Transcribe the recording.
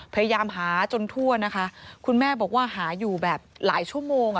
พยายามหาจนทั่วนะคะคุณแม่บอกว่าหาอยู่แบบหลายชั่วโมง